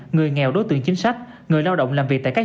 người nghèo đối tượng chính sách người lao động làm việc tại các du lịch